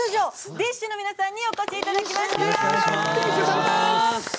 ＤＩＳＨ／／の皆さんにお越しいただきました。